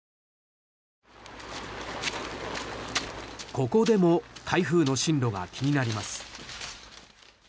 ここでも台風の進路が気になります。